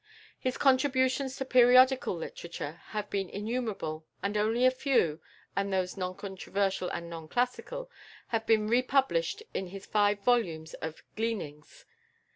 His contributions to periodical literature have been innumerable, and only a few and those non controversial and non classical have been republished in his five volumes of "Gleanings."